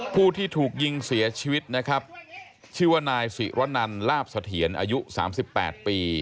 ผู้ที่ถูกยิงเสียชีวิตนะครับชื่อว่านายศิรนันลาบเสถียรอายุ๓๘ปี